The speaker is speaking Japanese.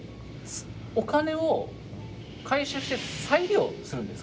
お金を回収して再利用するんですか？